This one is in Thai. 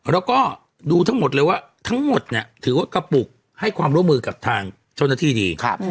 แล้วก็ดูทั้งหมดเลยว่าทั้งหมดถือกระปุกให้ความร่วมมือกับทางชนที่ดี